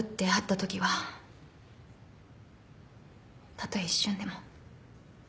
たとえ一瞬でも。